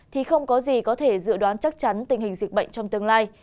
thì không có gì có thể dự đoán chắc chắn tình hình dịch bệnh trong tương lai